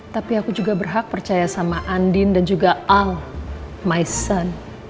tapi aku juga berhak percaya sama andin dan juga al maisen